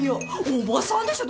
おばさんでしょ